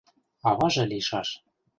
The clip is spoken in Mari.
Аваже лийшаш.